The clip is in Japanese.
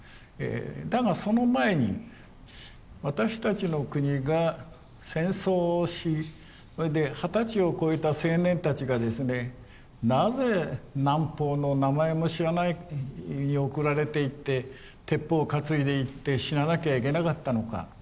だがその前に私たちの国が戦争をしそれで二十歳を超えた青年たちがですねなぜ南方の名前も知らないに送られていって鉄砲を担いでいって死ななきゃいけなかったのか。